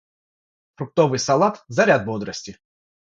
Фруктовый салат - заряд бодрости.